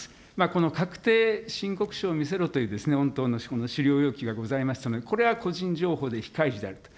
この確定申告書を見せろという、御党の資料要求がございましたので、個人情報で非開示であると。